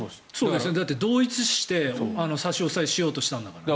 だって同一視して差し押さえしようとしたんだからね。